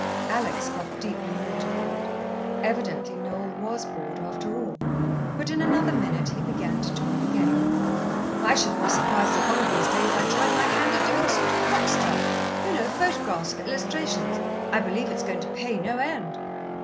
Alex felt deeply mortified. Evidently Noel was bored, after all. But in another minute he began to talk again. "I shouldn't be surprised if one of these days I tried my hand at doing sort of book stuff. You know, photographs for illustrations. I believe it's going to pay no end."